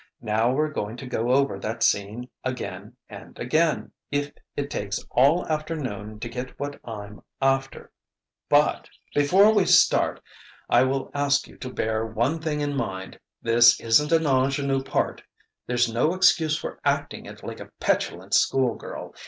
Now we're going to go over that scene again and again, if it takes all afternoon to get what I'm after. But, before we start, I will ask you to bear one thing in mind: this isn't an ingénue part; there's no excuse for acting it like a petulant school girl.